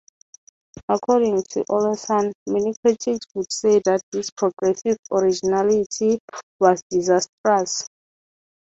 According to Olleson, many critics would say that this progressive originality was disastrous.